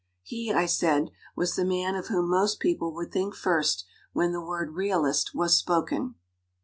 He, I said, was the man of whom most people would think first when the word realist was spoken.